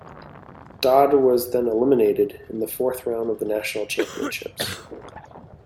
Dod was then eliminated in the fourth round of the National Championships.